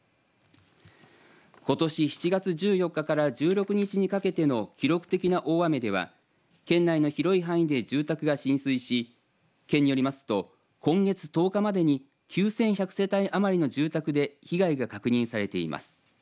ことし７月１４日から１６日にかけての記録的な大雨では県内の広い範囲で住宅が浸水し県によりますと今月１０日までに９１００世帯余りの住宅で被害が確認されています。